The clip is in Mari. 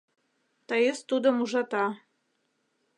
Таис тудым ужата.